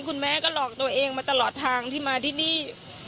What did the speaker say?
คุณแม่ก็หลอกตัวเองมาตลอดทางที่มาที่นี่